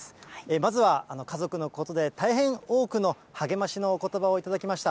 まずは、家族のことで大変多くの励ましのおことばを頂きました。